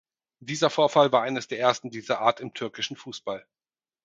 Dieser Vorfall war eines der ersten dieser Art im türkischen Fußball.